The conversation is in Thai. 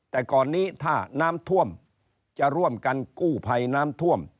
แต่ก่อนนี้ถ้าน้ำท่วมจะร่วมกันกู้ภัยน้ำท่วม